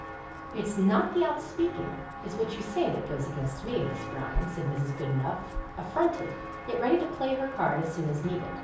"It's not the out speaking, it's what you say that goes against me, Miss Browning," said Mrs. Goodenough, affronted, yet ready to play her card as soon as needed.